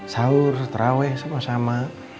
sahur terawih sama sama